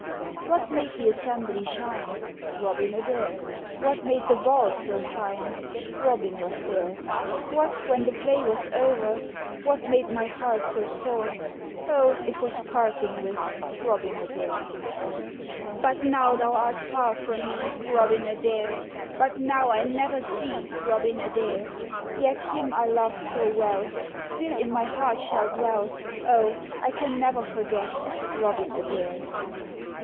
What made the assembly shine? Robin Adair: What made the ball so fine? Robin was there: What, when the play was o'er, What made my heart so sore? O, it was parting with Robin Adair! But now thou art far from me, Robin Adair; But now I never see Robin Adair; Yet him I loved so well Still in my heart shall dwell; O, I can ne'er forget Robin Adair!